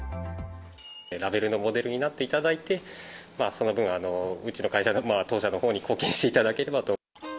ラベルのモデルになっていただいて、その分、うちの会社、当社のほうに貢献していただければと。